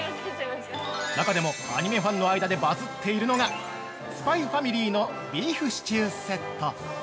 中でもアニメファンの間でバズっているのが、ＳＰＹｘＦＡＭＩＬＹのビーフシチューセット。